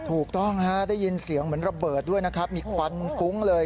ถูกต้องฮะได้ยินเสียงเหมือนระเบิดด้วยนะครับมีควันฟุ้งเลย